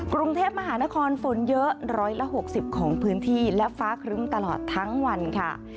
กรุงเทพมหานครฝนเยอะ๑๖๐ของพื้นที่และฟ้าครึ้มตลอดทั้งวันค่ะ